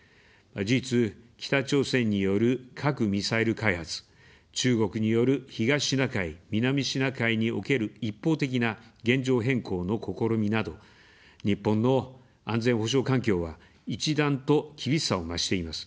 事実、北朝鮮による核・ミサイル開発、中国による東シナ海・南シナ海における一方的な現状変更の試みなど、日本の安全保障環境は、一段と厳しさを増しています。